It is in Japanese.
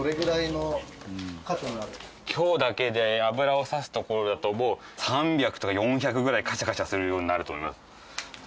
今日だけで油を差すところだと３００とか４００ぐらいカチャカチャするようになると思います。